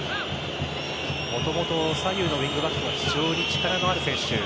もともと左右のウイングバッグが非常に力のある選手。